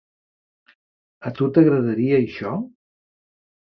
A tu t'agradaria això?